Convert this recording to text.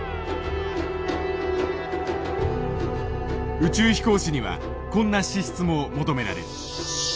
宇宙飛行士にはこんな資質も求められる。